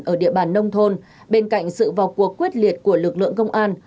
ở địa bàn nông thôn bên cạnh sự vào cuộc quyết liệt của lực lượng công an